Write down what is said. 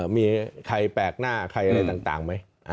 มีใครแปลกหน้าใครอะไรต่างไหม